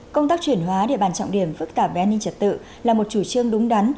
công tác chuyển hóa địa bàn trọng điểm phức tạp về an ninh trật tự là một chủ trương đúng đắn